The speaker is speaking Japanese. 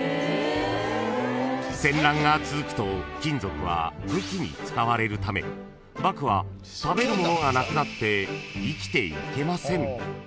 ［戦乱が続くと金属は武器に使われるため獏は食べるものがなくなって生きていけません］